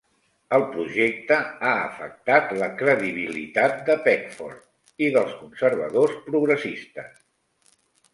El projecte ha afectat la credibilitat de Peckford i dels conservadors progressistes.